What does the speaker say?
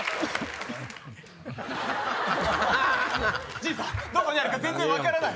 じいさんどこにあるか全然分からない。